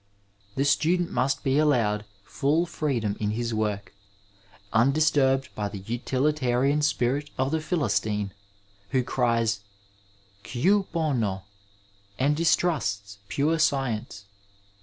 The student must be allowed full freedom in his work, undisturbed by the utilitarian spirit of the Philistine, who cries, Gut bono f and distrusts pure science.